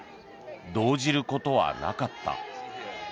動じることはなかった。